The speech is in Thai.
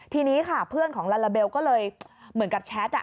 ทีนี้ค่ะเพื่อนของลาลาเบลก็เลยเหมือนกับแชท